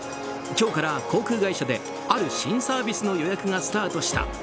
今日から航空会社である新サービスの予約がスタートした。